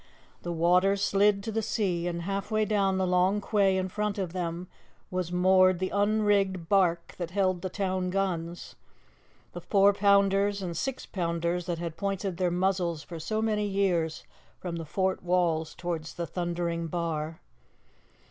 The water slid to the sea, and halfway down the long quay in front of them was moored the unrigged barque that held the town guns the four pounders and six pounders that had pointed their muzzles for so many years from the fort walls towards the thundering bar.